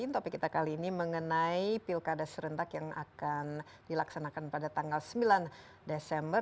topik kita kali ini mengenai pilkada serentak yang akan dilaksanakan pada tanggal sembilan desember